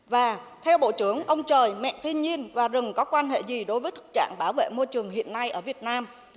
và theo bộ trưởng ông trời mẹ thiên nhiên và rừng có quan hệ gì đối với thực trạng bảo vệ môi trường hiện nay ở việt nam